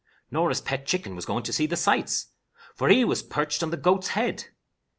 Norah's pet chicken was going to see the sights, for he was perched on the goat's head.